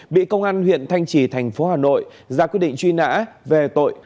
bị công an huyện thanh trì thành phố hà nội ra quyết định truy nã về tội